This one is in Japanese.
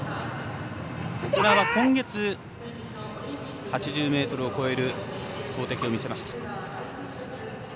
小椋は今月８０ｍを超える投てきを見せました。